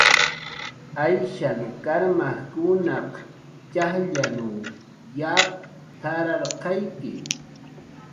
"Ayshan karmkunaq txajllanw yap t""ararqayki"